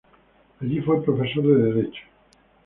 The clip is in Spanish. Allí fue profesor de derecho.